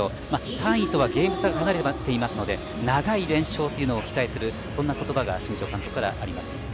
３位とはゲーム差が離れているので長い連勝というのを期待するという言葉が新庄監督からあります。